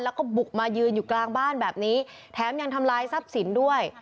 แล้วก็บุกมายืนอยู่กลางบ้านแบบนี้แถมยังทำลายทรัพย์สินด้วย